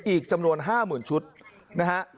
อีกจำนวน๕๐๐๐ชุดนะฮะ